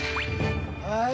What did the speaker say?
はい！